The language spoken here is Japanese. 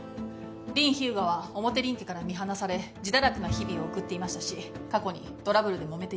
林秘羽我は表林家から見放され自堕落な日々を送っていましたし過去にトラブルでもめています。